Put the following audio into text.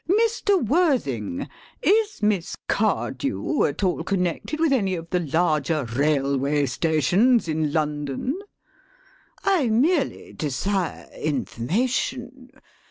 Mr. Worthing, is Miss Cardew at all connected with any of the larger railway stations in London? I merely desire information.